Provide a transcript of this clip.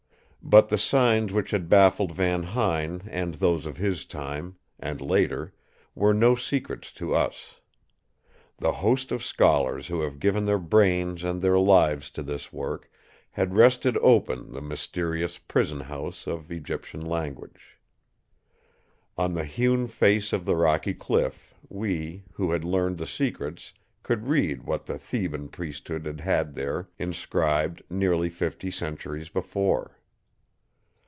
"But the signs which had baffled Van Huyn and those of his time—and later, were no secrets to us. The host of scholars who have given their brains and their lives to this work, had wrested open the mysterious prison house of Egyptian language. On the hewn face of the rocky cliff we, who had learned the secrets, could read what the Theban priesthood had had there inscribed nearly fifty centuries before.